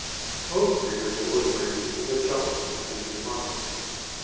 Most readers will agree in the justice of these remarks.